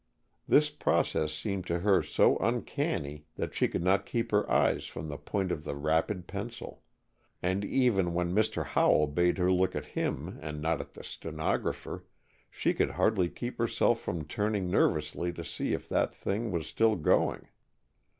This process seemed to her so uncanny that she could not keep her eyes from the point of the rapid pencil, and even when Mr. Howell bade her look at him and not at the stenographer, she could hardly keep herself from turning nervously to see if that thing was still going.